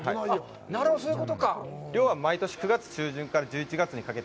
なるほど、そういうことか。